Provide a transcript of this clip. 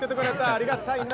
ありがたいな。